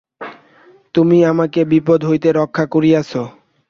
তুমি আমাকে বিপদ হইতে রক্ষা করিয়াছ।